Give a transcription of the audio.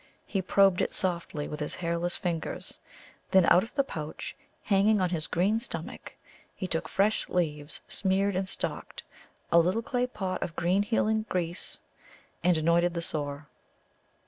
He probed it softly with his hairless fingers. Then out of the pouch hanging on his stomach he took fresh leaves, smeared and stalked, a little clay pot of green healing grease, and anointed the sore.